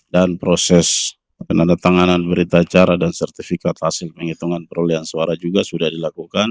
dan proses penandatanganan berita acara dan sertifikat hasil menghitungan perolehan suara juga sudah dilakukan